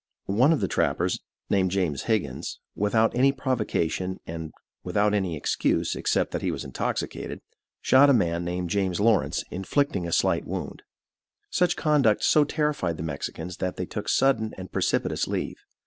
One of the trappers, named James Higgins, without any provocation and without any excuse, except that he was intoxicated, shot a man named James Lawrence, inflicting a slight wound. Such conduct so terrified the Mexicans that they took sudden and precipitous leave.